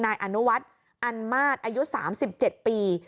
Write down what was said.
นายอนุวัฒน์อันมาตรอายุ๓๗ปี